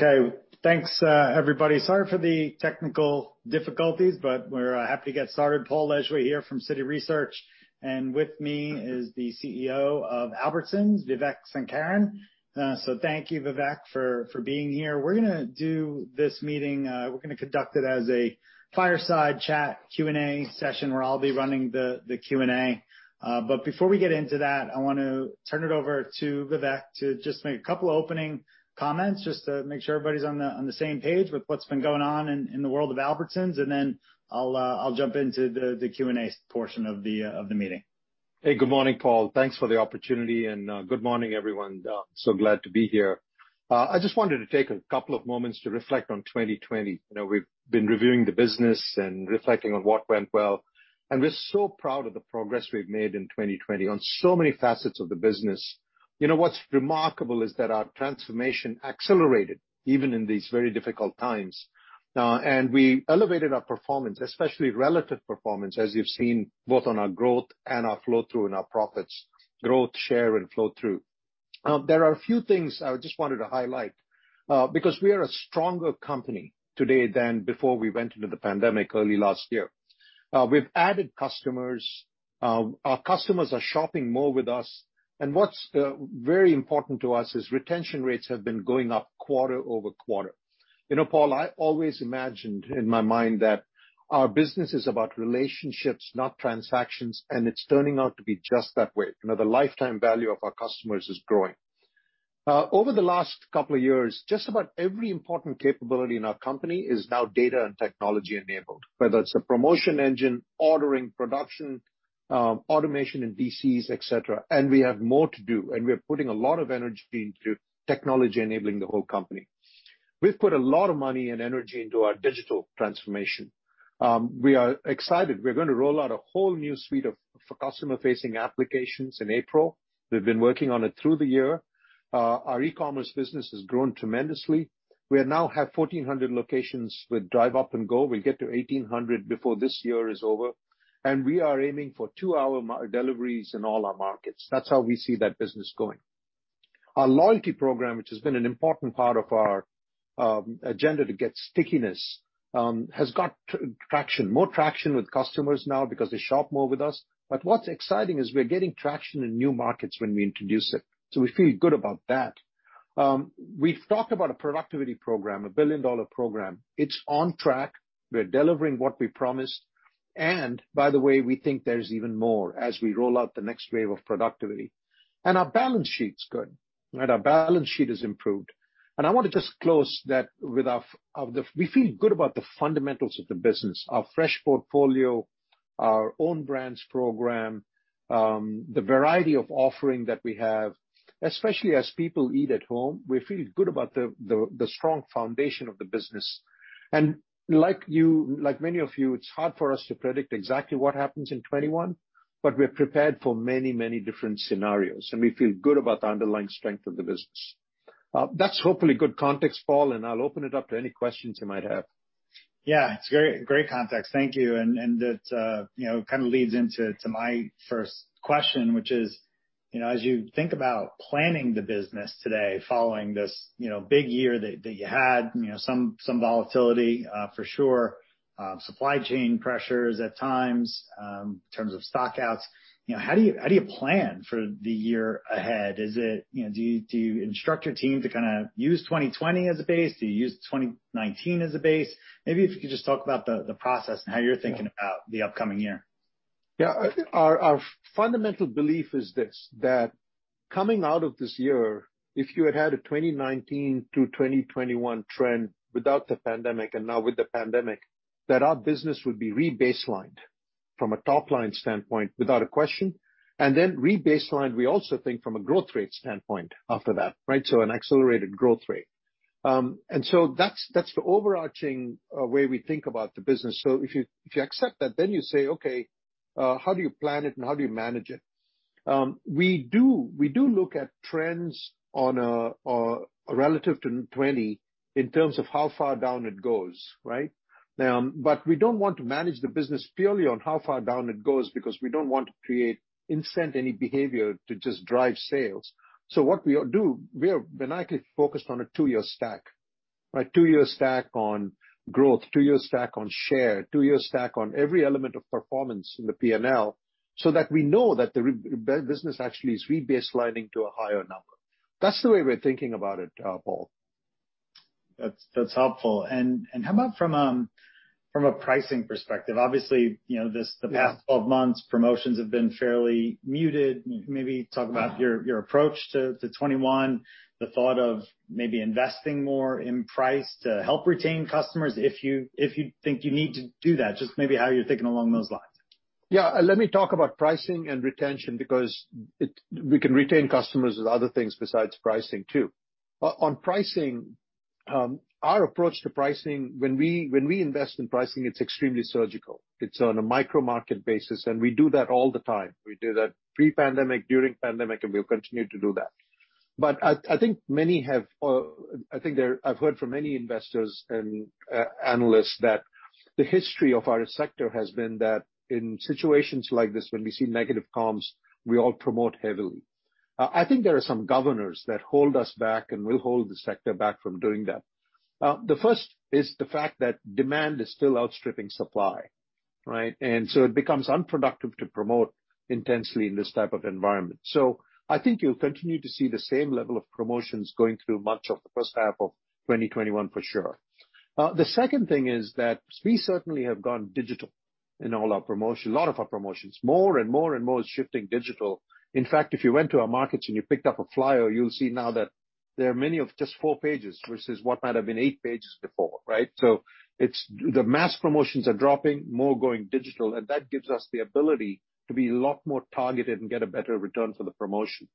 Okay. Thanks everybody. Sorry for the technical difficulties, but we're happy to get started. Paul Lejuez here from Citi Research, and with me is the CEO of Albertsons, Vivek Sankaran. Thank you, Vivek, for being here. We're going to do this meeting, we're going to conduct it as a fireside chat Q&A session where I'll be running the Q&A. Before we get into that, I want to turn it over to Vivek to just make a couple opening comments just to make sure everybody's on the same page with what's been going on in the world of Albertsons, and then I'll jump into the Q&A portion of the meeting. Hey, good morning, Paul. Thanks for the opportunity, and good morning, everyone. Glad to be here. I just wanted to take a couple of moments to reflect on 2020. We've been reviewing the business and reflecting on what went well, and we're so proud of the progress we've made in 2020 on so many facets of the business. What's remarkable is that our transformation accelerated even in these very difficult times. Now, we elevated our performance, especially relative performance, as you've seen both on our growth and our flow through in our profits. Growth, share, and flow through. There are a few things I just wanted to highlight because we are a stronger company today than before we went into the pandemic early last year. We've added customers. Our customers are shopping more with us, and what's very important to us is retention rates have been going up quarter-over-quarter. Paul, I always imagined in my mind that our business is about relationships, not transactions, and it's turning out to be just that way. The lifetime value of our customers is growing. Over the last couple of years, just about every important capability in our company is now data and technology enabled, whether it's a promotion engine, ordering, production, automation in DCs, et cetera. We have more to do, and we are putting a lot of energy into technology enabling the whole company. We've put a lot of money and energy into our digital transformation. We are excited. We're going to roll out a whole new suite of customer-facing applications in April. We've been working on it through the year. Our e-commerce business has grown tremendously. We now have 1,400 locations with Drive Up & Go. We'll get to 1,800 before this year is over, and we are aiming for two-hour deliveries in all our markets. That's how we see that business going. Our loyalty program, which has been an important part of our agenda to get stickiness, has got traction. More traction with customers now because they shop more with us. What's exciting is we're getting traction in new markets when we introduce it, so we feel good about that. We've talked about a productivity program, a billion-dollar program. It's on track. We're delivering what we promised. By the way, we think there's even more as we roll out the next wave of productivity. Our balance sheet's good. Our balance sheet has improved. I want to just close that with, we feel good about the fundamentals of the business, our fresh portfolio, our own brands program, the variety of offering that we have. Especially as people eat at home, we feel good about the strong foundation of the business. Like many of you, it's hard for us to predict exactly what happens in 2021, but we're prepared for many different scenarios, and we feel good about the underlying strength of the business. That's hopefully good context, Paul, I'll open it up to any questions you might have. Yeah. It's great context. Thank you. That kind of leads into my first question, which is, as you think about planning the business today following this big year that you had, some volatility for sure, supply chain pressures at times, in terms of stockouts. How do you plan for the year ahead? Do you instruct your team to kind of use 2020 as a base? Do you use 2019 as a base? Maybe if you could just talk about the process and how you're thinking about the upcoming year. Yeah. I think our fundamental belief is this, that coming out of this year, if you had a 2019 to 2021 trend without the pandemic and now with the pandemic, that our business would be re-baselined from a top-line standpoint without a question, and then re-baselined, we also think from a growth rate standpoint after that, right? An accelerated growth rate. That's the overarching way we think about the business. If you accept that, then you say, okay, how do you plan it and how do you manage it? We do look at trends on a relative to 2020 in terms of how far down it goes, right? We don't want to manage the business purely on how far down it goes because we don't want to create incent any behavior to just drive sales. What we'll do, we are maniacally focused on a two-year stack, right? Two-year stack on growth, two-year stack on share, two-year stack on every element of performance in the P&L so that we know that the business actually is re-baselining to a higher number. That's the way we're thinking about it, Paul. That's helpful. How about from a pricing perspective? Obviously, the past 12 months, promotions have been fairly muted. Maybe talk about your approach to 2021, the thought of maybe investing more in price to help retain customers if you think you need to do that, just maybe how you're thinking along those lines. Let me talk about pricing and retention because we can retain customers with other things besides pricing, too. On pricing, our approach to pricing, when we invest in pricing, it's extremely surgical. It's on a micro-market basis, and we do that all the time. We do that pre-pandemic, during pandemic, and we'll continue to do that. I've heard from many investors and analysts that the history of our sector has been that in situations like this, when we see negative comps, we all promote heavily. I think there are some governors that hold us back and will hold the sector back from doing that. The first is the fact that demand is still outstripping supply, right? It becomes unproductive to promote intensely in this type of environment. I think you'll continue to see the same level of promotions going through much of the first half of 2021, for sure. The second thing is that we certainly have gone digital in all our promotion, a lot of our promotions. More and more is shifting digital. In fact, if you went to our markets and you picked up a flyer, you'll see now that there are many of just four pages versus what might have been eight pages before, right? The mass promotions are dropping, more going digital, and that gives us the ability to be a lot more targeted and get a better return for the promotion.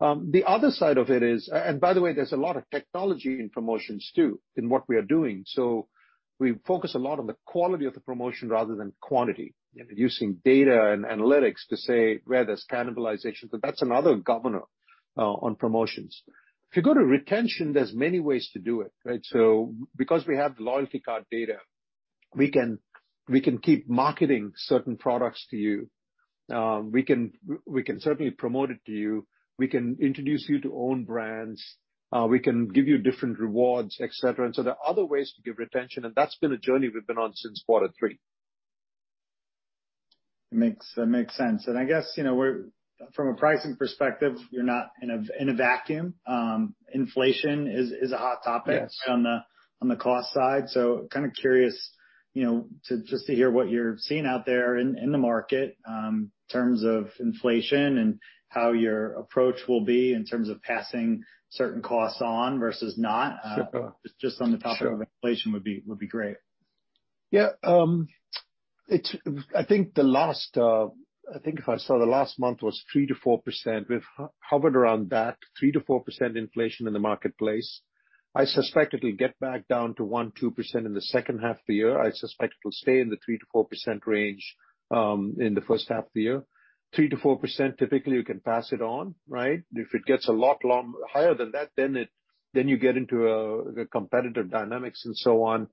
The other side of it is, and by the way, there's a lot of technology in promotions too, in what we are doing. We focus a lot on the quality of the promotion rather than quantity, using data and analytics to say where there's cannibalization. That's another governor on promotions. If you go to retention, there's many ways to do it, right? Because we have the loyalty card data, we can keep marketing certain products to you. We can certainly promote it to you. We can introduce you to own brands. We can give you different rewards, et cetera. There are other ways to give retention, and that's been a journey we've been on since quarter three. That makes sense. I guess, from a pricing perspective, you're not in a vacuum. Inflation is a hot topic. Yes On the cost side. Kind of curious to just to hear what you're seeing out there in the market in terms of inflation and how your approach will be in terms of passing certain costs on versus not. Sure. Just on the topic of inflation would be great. Yeah. I think if I saw the last month was 3%-4%. We've hovered around that, 3%-4% inflation in the marketplace. I suspect it'll get back down to 1%-2% in the second half of the year. I suspect it'll stay in the 3%-4% range in the first half of the year. 3%-4%, typically, you can pass it on, right? If it gets a lot higher than that, you get into the competitive dynamics and so on.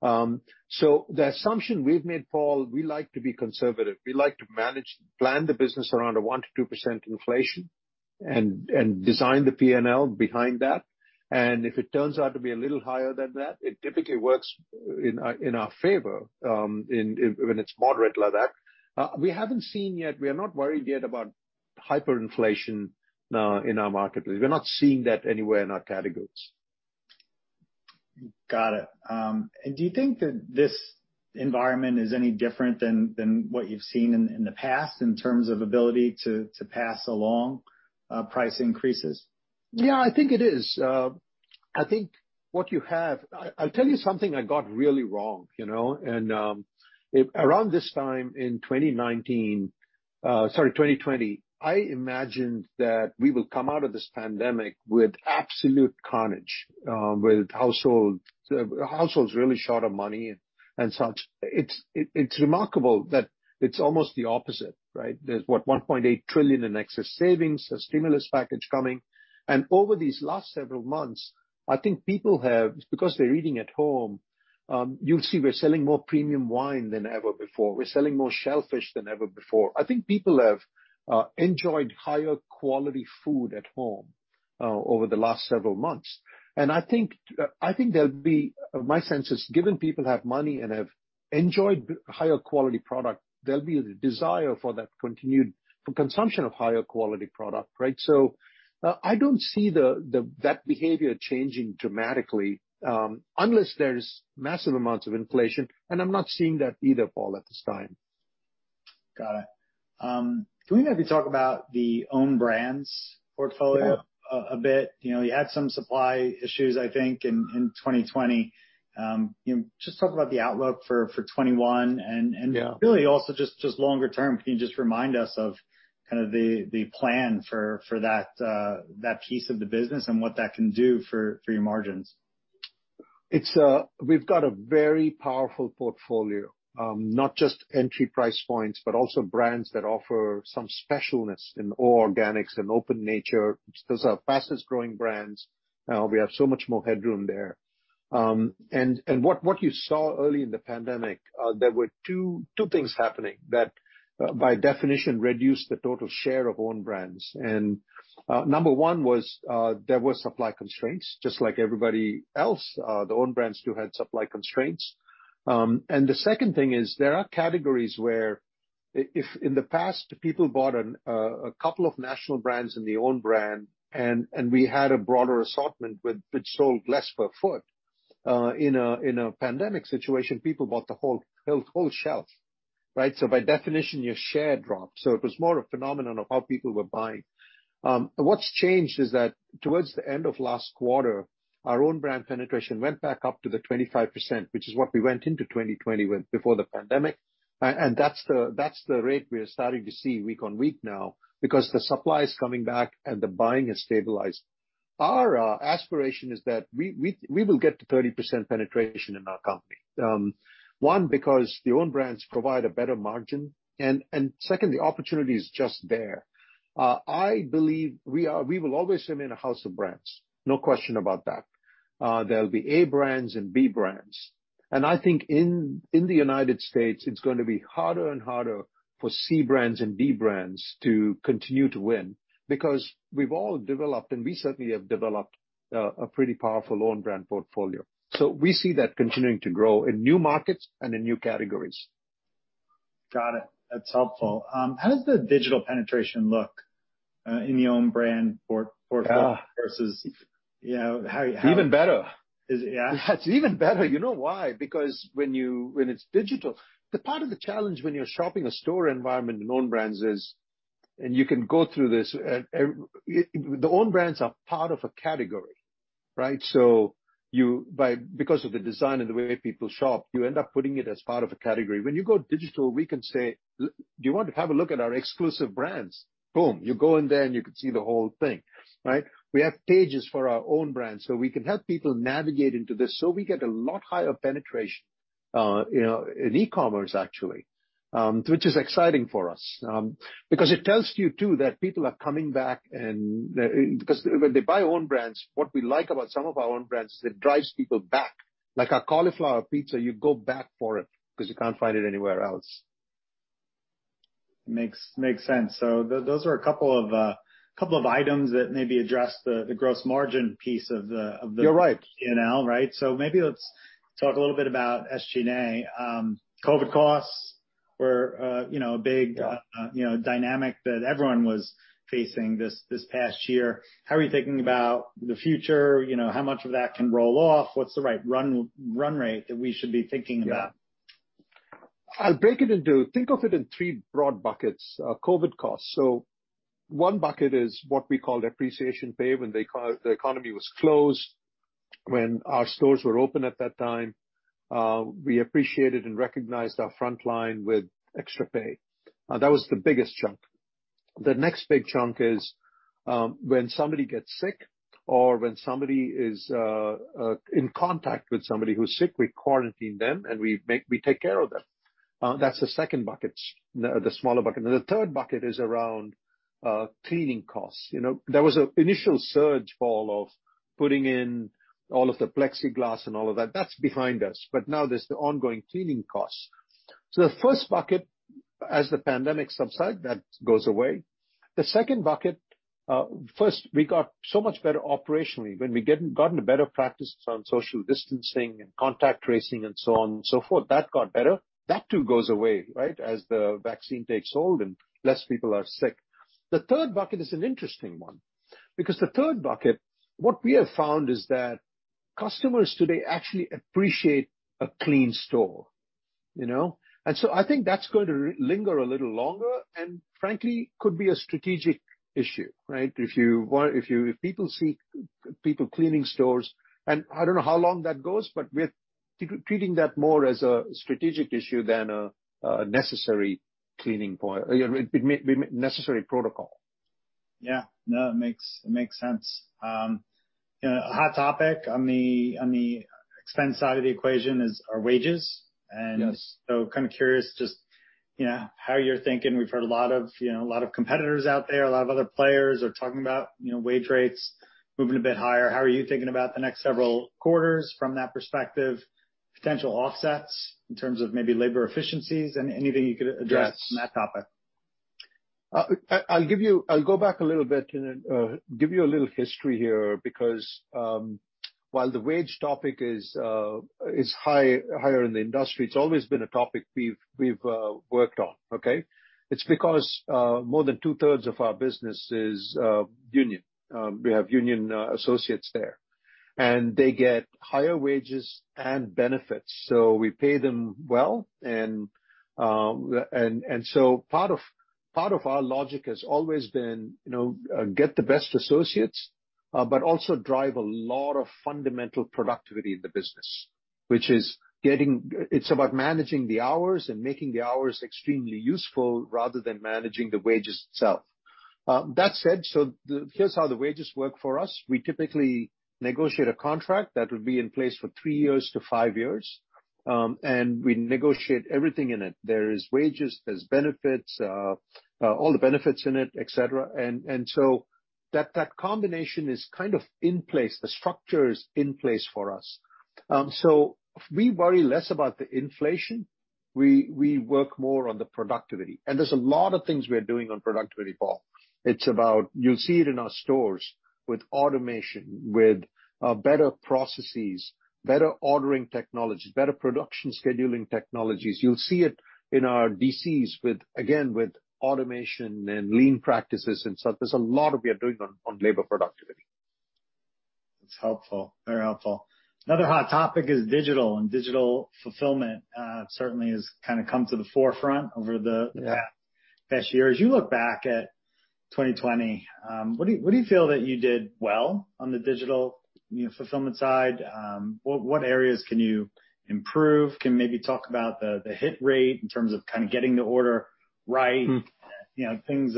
The assumption we've made, Paul, we like to be conservative. We like to plan the business around a 1%-2% inflation and design the P&L behind that. If it turns out to be a little higher than that, it typically works in our favor when it's moderate like that. We haven't seen yet, we are not worried yet about hyperinflation in our marketplace. We're not seeing that anywhere in our categories. Got it. Do you think that this environment is any different than what you've seen in the past in terms of ability to pass along price increases? Yeah, I think it is. I'll tell you something I got really wrong. Around this time in 2019, sorry, 2020, I imagined that we will come out of this pandemic with absolute carnage with households really short of money and such. It's remarkable that it's almost the opposite, right? There's, what, $1.8 trillion in excess savings, a stimulus package coming. Over these last several months, I think people have, because they're eating at home, you'll see we're selling more premium wine than ever before. We're selling more shellfish than ever before. I think people have enjoyed higher quality food at home over the last several months. I think there'll be, my sense is, given people have money and have enjoyed higher quality product, there'll be the desire for that continued consumption of higher quality product, right? I don't see that behavior changing dramatically, unless there's massive amounts of inflation, and I'm not seeing that either, Paul, at this time. Got it. Can we maybe talk about the own brands portfolio a bit? You had some supply issues, I think, in 2020. Just talk about the outlook for 2021. Yeah ...really also just longer term, can you just remind us of kind of the plan for that piece of the business and what that can do for your margins? We've got a very powerful portfolio. Not just entry price points, but also brands that offer some specialness in O Organics and Open Nature. Those are our fastest-growing brands. We have so much more headroom there. What you saw early in the pandemic, there were two things happening that, by definition, reduced the total share of own brands. Number one was, there were supply constraints. Just like everybody else, the own brands too had supply constraints. The second thing is, there are categories where if in the past people bought a couple of national brands and the own brand and we had a broader assortment which sold less per foot. In a pandemic situation, people bought the whole shelf, right? By definition, your share dropped. It was more a phenomenon of how people were buying. What's changed is that towards the end of last quarter, our own brand penetration went back up to the 25%, which is what we went into 2020 with before the pandemic, and that's the rate we are starting to see week on week now because the supply is coming back, and the buying has stabilized. Our aspiration is that we will get to 30% penetration in our company. One, because the own brands provide a better margin, and second, the opportunity is just there. I believe we will always remain a house of brands, no question about that. There'll be A brands and B brands. I think in the United States, it's going to be harder and harder for C brands and D brands to continue to win, because we've all developed, and we certainly have developed, a pretty powerful own brand portfolio. We see that continuing to grow in new markets and in new categories. Got it. That's helpful. How does the digital penetration look in the own brand port-? versus Even better. Is it? Yeah? It's even better. You know why? When it's digital. The part of the challenge when you're shopping a store environment in own brands is, and you can go through this, the own brands are part of a category, right? Because of the design and the way people shop, you end up putting it as part of a category. When you go digital, we can say, "Do you want to have a look at our exclusive brands?" Boom. You go in there, and you can see the whole thing, right? We have pages for our own brands, so we can help people navigate into this. We get a lot higher penetration, in e-commerce actually, which is exciting for us. It tells you, too, that people are coming back and, because when they buy own brands, what we like about some of our own brands is it drives people back. Like our cauliflower pizza, you go back for it because you can't find it anywhere else. Makes sense. Those are a couple of items that maybe address the gross margin piece. You're right. P&L, right? Maybe let's talk a little bit about SG&A. Yeah A dynamic that everyone was facing this past year. How are you thinking about the future? How much of that can roll off? What's the right run rate that we should be thinking about? Yeah. Think of it in three broad buckets of COVID costs. One bucket is what we call appreciation pay when the economy was closed, when our stores were open at that time, we appreciated and recognized our frontline with extra pay. That was the biggest chunk. The next big chunk is, when somebody gets sick or when somebody is in contact with somebody who's sick, we quarantine them, and we take care of them. That's the second bucket, the smaller bucket. The third bucket is around cleaning costs. There was an initial surge, Paul, of putting in all of the plexiglass and all of that. That's behind us. Now there's the ongoing cleaning costs. The first bucket, as the pandemic subside, that goes away. The second bucket, first, we got so much better operationally. When we gotten a better practice on social distancing and contact tracing and so on and so forth, that got better. That too goes away, right, as the vaccine takes hold and less people are sick. The third bucket is an interesting one. The third bucket, what we have found is that customers today actually appreciate a clean store. I think that's going to linger a little longer and frankly could be a strategic issue, right? If people see people cleaning stores, and I don't know how long that goes, but we're treating that more as a strategic issue than a necessary cleaning point, necessary protocol. Yeah. No, it makes sense. A hot topic on the expense side of the equation is, are wages. Yes. Kind of curious just how you're thinking. We've heard a lot of competitors out there, a lot of other players are talking about wage rates moving a bit higher. How are you thinking about the next several quarters from that perspective, potential offsets in terms of maybe labor efficiencies and anything you could address? Yes ...on that topic? I'll go back a little bit and give you a little history here because, while the wage topic is higher in the industry, it's always been a topic we've worked on, okay? It's because more than two-thirds of our business is union. We have union associates there. They get higher wages and benefits. We pay them well. Part of our logic has always been, get the best associates, but also drive a lot of fundamental productivity in the business, which is It's about managing the hours and making the hours extremely useful rather than managing the wages itself. That said, here's how the wages work for us. We typically negotiate a contract that will be in place for three years to five years. We negotiate everything in it. There is wages, there's benefits, all the benefits in it, et cetera. That combination is kind of in place. The structure is in place for us. We worry less about the inflation. We work more on the productivity. There's a lot of things we are doing on productivity, Paul. It's about, you'll see it in our stores with automation, with better processes, better ordering technologies, better production scheduling technologies. You'll see it in our DCs again, with automation and lean practices and such. There's a lot we are doing on labor productivity. That's helpful. Very helpful. Another hot topic is digital, and digital fulfillment, certainly has kind of come to the forefront. Yeah ...past year. As you look back at 2020, what do you feel that you did well on the digital fulfillment side? What areas can you improve? Can you maybe talk about the hit rate in terms of kind of getting the order right? Things,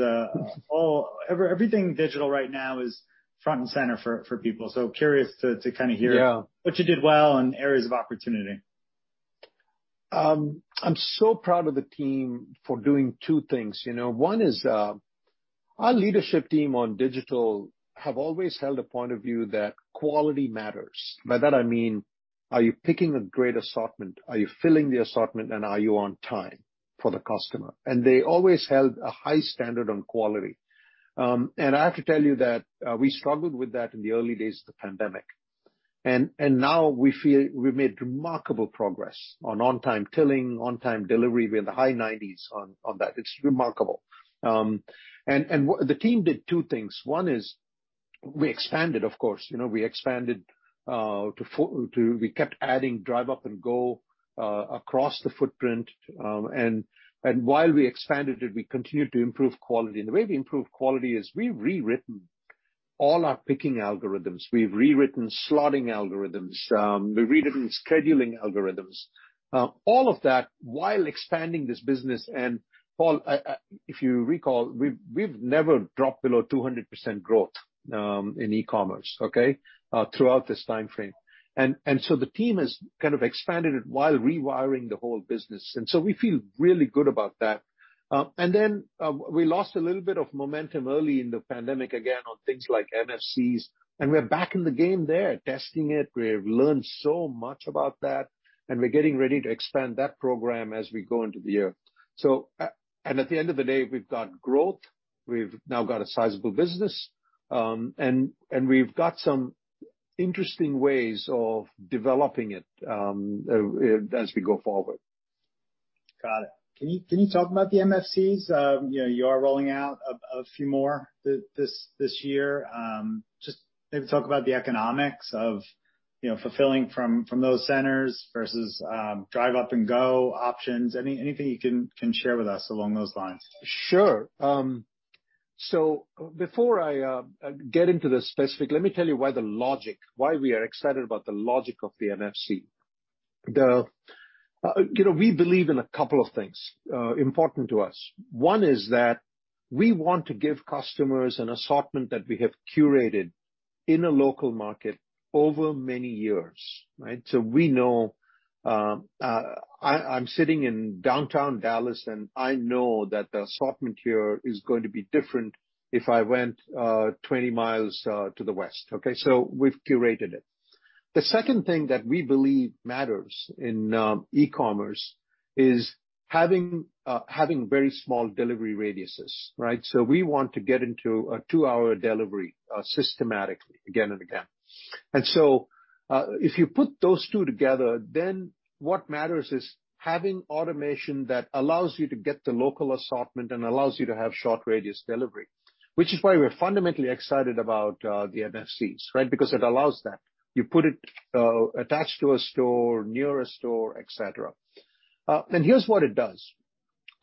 everything digital right now is front and center for people. Yeah What you did well and areas of opportunity. I'm so proud of the team for doing two things. One is, our leadership team on digital have always held a point of view that quality matters. By that, I mean, are you picking a great assortment? Are you filling the assortment, and are you on time for the customer? They always held a high standard on quality. I have to tell you that we struggled with that in the early days of the pandemic. Now we feel we've made remarkable progress on on-time filling, on-time delivery. We're in the high 90s on that. It's remarkable. The team did two things. One is we expanded, of course. We kept adding Drive Up & Go across the footprint. While we expanded it, we continued to improve quality. The way we improved quality is we've rewritten all our picking algorithms. We've rewritten slotting algorithms. We've rewritten scheduling algorithms. All of that while expanding this business. Paul, if you recall, we've never dropped below 200% growth in e-commerce, okay, throughout this time frame. The team has kind of expanded it while rewiring the whole business. We feel really good about that. We lost a little bit of momentum early in the pandemic, again, on things like MFCs, we're back in the game there, testing it. We've learned so much about that, we're getting ready to expand that program as we go into the year. At the end of the day, we've got growth, we've now got a sizable business, we've got some interesting ways of developing it as we go forward. Got it. Can you talk about the MFCs? You are rolling out a few more this year. Just maybe talk about the economics of fulfilling from those centers versus Drive Up & Go options. Anything you can share with us along those lines? Sure. Before I get into the specific, let me tell you why the logic, why we are excited about the logic of the MFC. We believe in a couple of things important to us. One is that we want to give customers an assortment that we have curated in a local market over many years, right? We know, I'm sitting in downtown Dallas, and I know that the assortment here is going to be different if I went 20 miles to the west, okay? We've curated it. The second thing that we believe matters in e-commerce is having very small delivery radiuses, right? We want to get into a two-hour delivery, systematically, again and again. If you put those two together, then what matters is having automation that allows you to get the local assortment and allows you to have short radius delivery, which is why we're fundamentally excited about the MFCs, right? It allows that. You put it attached to a store, near a store, et cetera. Here's what it does.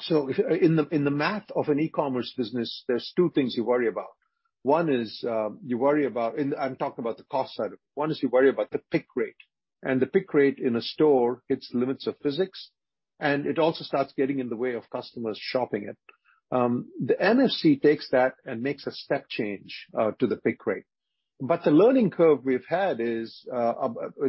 In the math of an e-commerce business, there's two things you worry about. One is, you worry about, and I'm talking about the cost side of it. One is you worry about the pick rate. The pick rate in a store hits limits of physics, and it also starts getting in the way of customers shopping it. The MFC takes that and makes a step change to the pick rate. The learning curve we've had, it's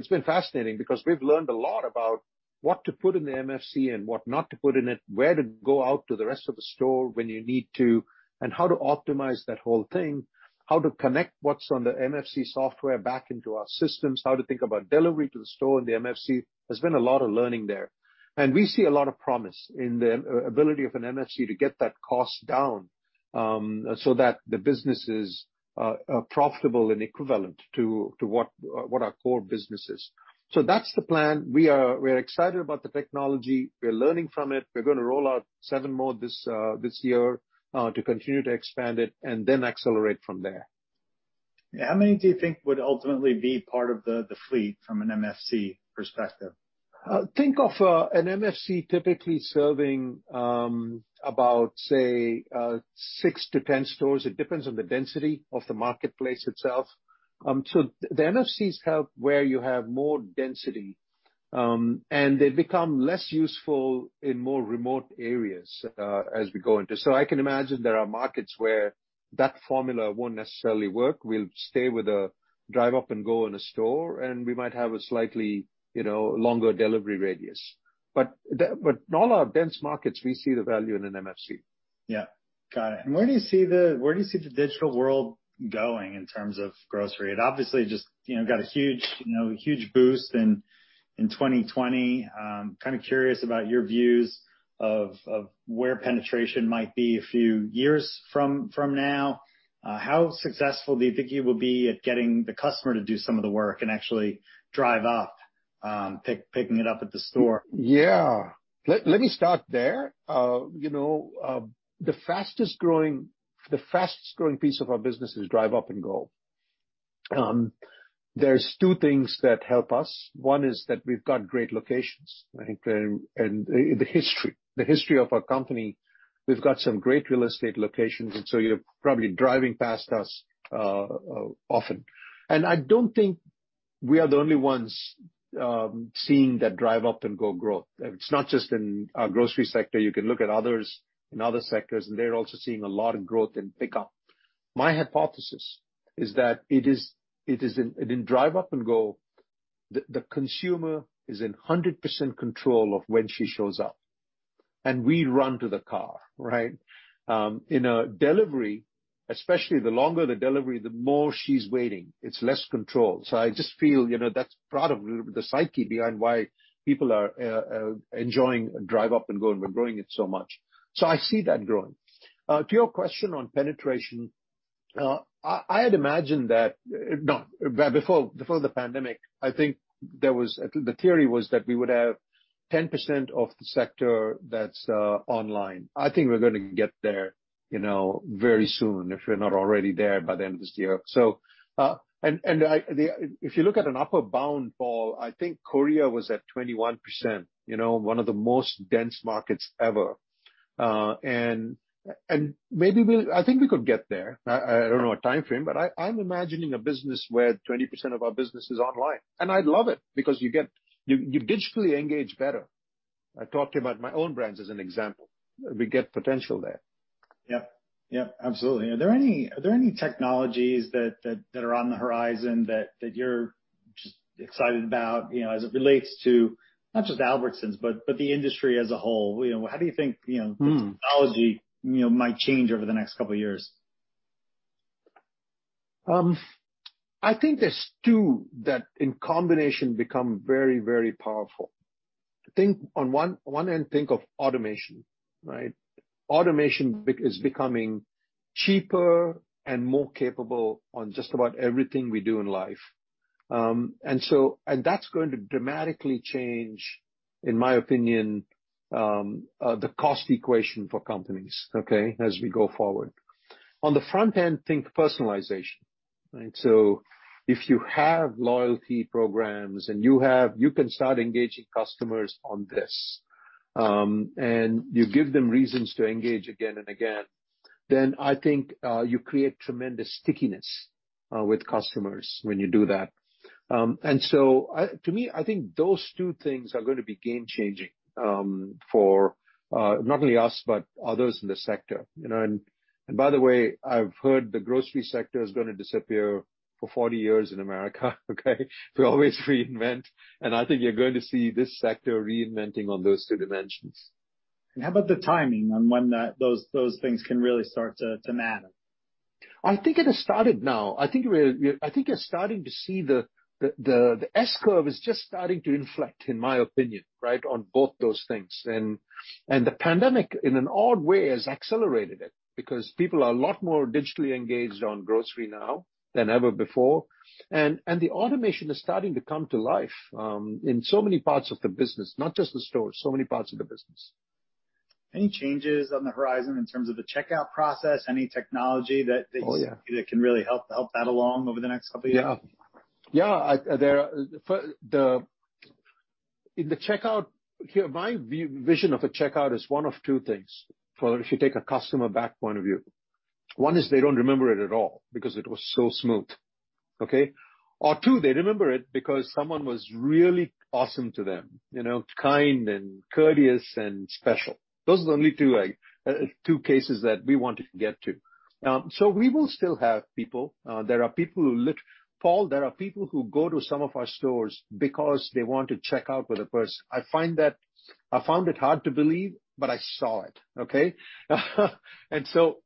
been fascinating because we've learned a lot about what to put in the MFC and what not to put in it, where to go out to the rest of the store when you need to, and how to optimize that whole thing, how to connect what's on the MFC software back into our systems, how to think about delivery to the store and the MFC. There's been a lot of learning there. We see a lot of promise in the ability of an MFC to get that cost down, so that the business is profitable and equivalent to what our core business is. That's the plan. We're excited about the technology. We're learning from it. We're going to roll out seven more this year to continue to expand it and then accelerate from there. Yeah. How many do you think would ultimately be part of the fleet from an MFC perspective? Think of an MFC typically serving about, say, six to 10 stores. It depends on the density of the marketplace itself. The MFCs help where you have more density, and they become less useful in more remote areas, as we go into. I can imagine there are markets where that formula won't necessarily work. We'll stay with a Drive Up & Go in a store, and we might have a slightly longer delivery radius. In all our dense markets, we see the value in an MFC. Yeah. Got it. Where do you see the digital world going in terms of grocery? It obviously just got a huge boost in 2020. Kind of curious about your views of where penetration might be a few years from now. How successful do you think you will be at getting the customer to do some of the work and actually drive up, picking it up at the store? Yeah. Let me start there. The fastest-growing piece of our business is Drive Up & Go. There's two things that help us. One is that we've got great locations. I think the history of our company, we've got some great real estate locations, you're probably driving past us often. I don't think we are the only ones seeing that Drive Up & Go growth. It's not just in our grocery sector. You can look at others in other sectors, they're also seeing a lot of growth in pickup. My hypothesis is that it is in drive Up & Go, the consumer is in 100% control of when she shows up, we run to the car, right? In a delivery, especially the longer the delivery, the more she's waiting. It's less control. I just feel, that's part of the psyche behind why people are enjoying Drive Up & Go, and we're growing it so much. I see that growing. To your question on penetration, I had imagined. No. Before the pandemic, I think the theory was that we would have 10% of the sector that's online. I think we're going to get there very soon, if we're not already there by the end of this year. If you look at an upper bound, Paul, I think Korea was at 21%, one of the most dense markets ever. I think we could get there. I don't know a timeframe, but I'm imagining a business where 20% of our business is online. I love it because you digitally engage better. I talked about my own brands as an example. We get potential there. Yep. Absolutely. Are there any technologies that are on the horizon that you're just excited about as it relates to, not just Albertsons, but the industry as a whole? ...the technology might change over the next couple of years? I think there's two that, in combination, become very powerful. On one end, think of automation, right? Automation is becoming cheaper and more capable on just about everything we do in life. That's going to dramatically change, in my opinion, the cost equation for companies, okay, as we go forward. On the front end, think personalization, right? If you have loyalty programs and you can start engaging customers on this, and you give them reasons to engage again and again, I think you create tremendous stickiness with customers when you do that. To me, I think those two things are going to be game changing, for not only us, but others in the sector. By the way, I've heard the grocery sector is going to disappear for 40 years in America. Okay. We always reinvent, and I think you're going to see this sector reinventing on those two dimensions. How about the timing on when those things can really start to matter? I think it has started now. I think you're starting to see the S-curve is just starting to inflect, in my opinion, right, on both those things. The pandemic, in an odd way, has accelerated it because people are a lot more digitally engaged on grocery now than ever before. The automation is starting to come to life in so many parts of the business. Not just the stores, so many parts of the business. Any changes on the horizon in terms of the checkout process? Oh, yeah. ...can really help that along over the next couple of years? Yeah. My vision of a checkout is one of two things, if you take a customer back point of view. One is they don't remember it at all because it was so smooth, okay? Or two, they remember it because someone was really awesome to them. Kind and courteous and special. Those are the only two cases that we want to get to. We will still have people. Paul, there are people who go to some of our stores because they want to check out with a person. I found it hard to believe, but I saw it, okay?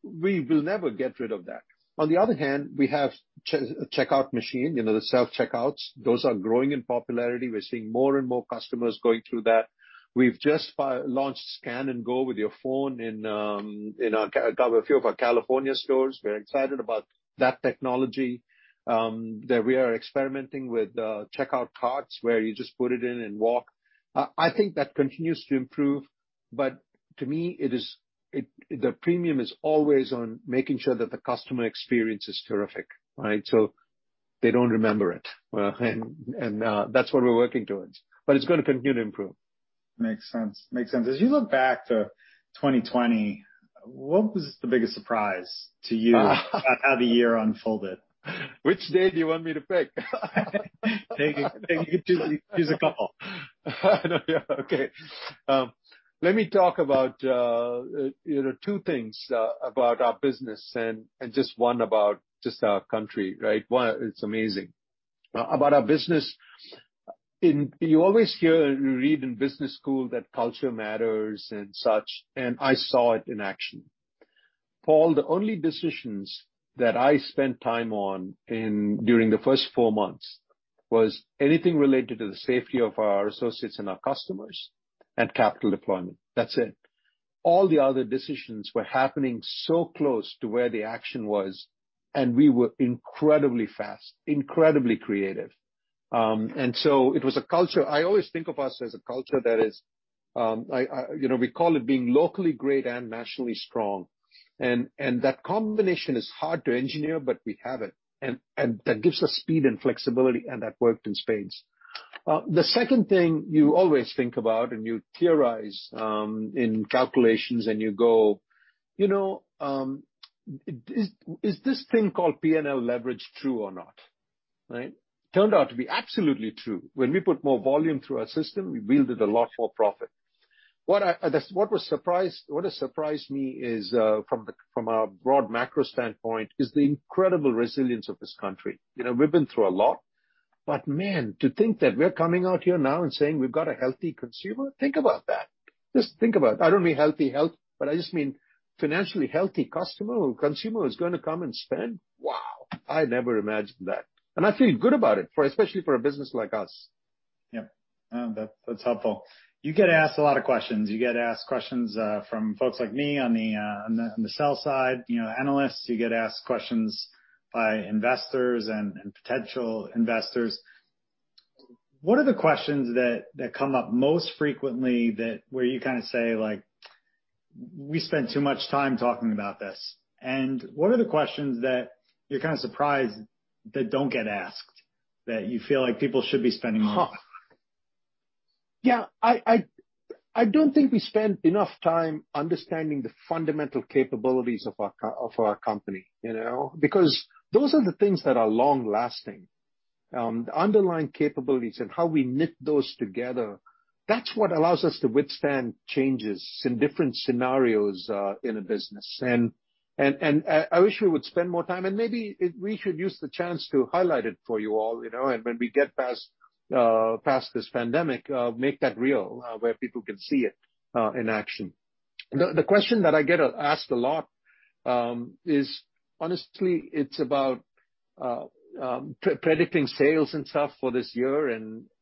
We will never get rid of that. On the other hand, we have a checkout machine, the self-checkouts. Those are growing in popularity. We're seeing more and more customers going through that. We've just launched scan and go with your phone in a few of our California stores. We're excited about that technology, that we are experimenting with checkout carts where you just put it in and walk. I think that continues to improve. To me, the premium is always on making sure that the customer experience is terrific, right? They don't remember it. Well, that's what we're working towards. It's going to continue to improve. Makes sense. As you look back to 2020, what was the biggest surprise to you about how the year unfolded? Which day do you want me to pick? You could choose a couple. Okay. Let me talk about two things about our business and just one about just our country, right? One, it's amazing. About our business, you always hear and read in business school that culture matters and such, and I saw it in action. Paul, the only decisions that I spent time on during the first four months was anything related to the safety of our associates and our customers and capital deployment. That's it. All the other decisions were happening so close to where the action was, and we were incredibly fast, incredibly creative. It was a culture. I always think of us as a culture that is, we call it being locally great and nationally strong. That combination is hard to engineer, but we have it. That gives us speed and flexibility, and that worked in spades. The second thing you always think about and you theorize in calculations and you go, is this thing called P&L leverage true or not? Right? Turned out to be absolutely true. When we put more volume through our system, we wielded a lot more profit. What has surprised me is, from a broad macro standpoint, is the incredible resilience of this country. We've been through a lot, but man, to think that we're coming out here now and saying we've got a healthy consumer, think about that. Just think about it. I don't mean healthy, health, but I just mean financially healthy customer who consumer is going to come and spend. Wow. I never imagined that. I feel good about it, especially for a business like us. Yep. No, that's helpful. You get asked a lot of questions. You get asked questions from folks like me on the sell side, analysts. You get asked questions by investors and potential investors. What are the questions that come up most frequently where you kind of say, like, "We spend too much time talking about this"? What are the questions that you're kind of surprised that don't get asked, that you feel like people should be spending more time? Yeah. I don't think we spend enough time understanding the fundamental capabilities of our company. Those are the things that are long-lasting. The underlying capabilities and how we knit those together, that's what allows us to withstand changes in different scenarios in a business. I wish we would spend more time, and maybe we should use the chance to highlight it for you all. When we get past this pandemic, make that real, where people can see it in action. The question that I get asked a lot, is honestly, it's about predicting sales and stuff for this year.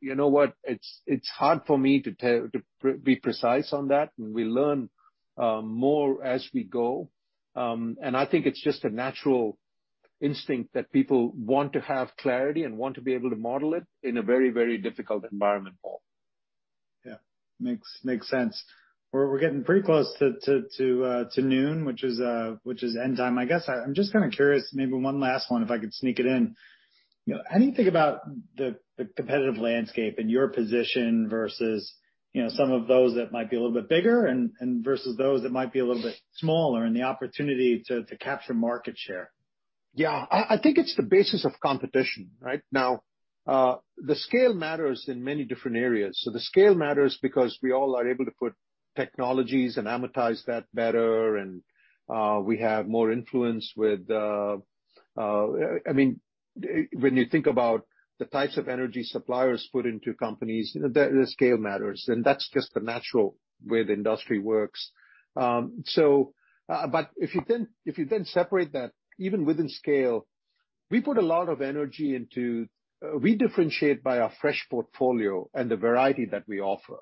You know what, it's hard for me to be precise on that. We learn more as we go. I think it's just a natural instinct that people want to have clarity and want to be able to model it in a very difficult environment, Paul. Yeah. Makes sense. We're getting pretty close to noon, which is end time, I guess. I'm just kind of curious, maybe one last one if I could sneak it in. Anything about the competitive landscape and your position versus some of those that might be a little bit bigger and versus those that might be a little bit smaller and the opportunity to capture market share? Yeah. I think it's the basis of competition, right? The scale matters in many different areas. The scale matters because we all are able to put technologies and amortize that better. When you think about the types of energy suppliers put into companies, the scale matters. That's just the natural way the industry works. If you separate that, even within scale, we put a lot of energy. We differentiate by our fresh portfolio and the variety that we offer.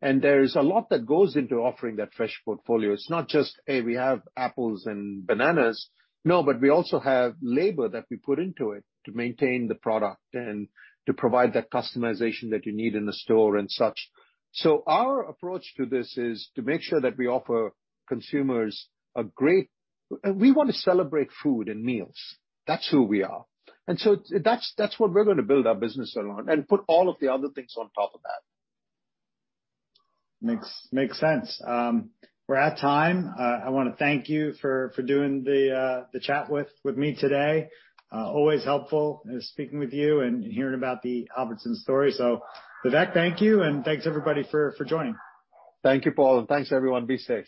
There is a lot that goes into offering that fresh portfolio. It's not just, hey, we have apples and bananas. No, we also have labor that we put into it to maintain the product and to provide that customization that you need in the store and such. Our approach to this is to make sure that we offer consumers. We want to celebrate food and meals. That's who we are. That's what we're going to build our business around and put all of the other things on top of that. Makes sense. We're at time. I want to thank you for doing the chat with me today. Always helpful speaking with you and hearing about the Albertsons story. Vivek, thank you, and thanks everybody for joining. Thank you, Paul. Thanks everyone. Be safe.